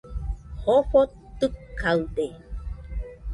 Jofo tɨkaɨde